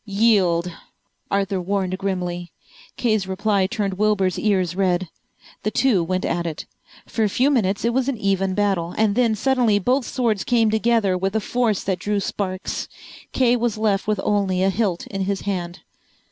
"Yield," Arthur warned grimly. Kay's reply turned Wilbur's ears red. The two went at it. For a few minutes it was an even battle, and then suddenly both swords came together with a force that drew sparks. Kay was left with only a hilt in his hand.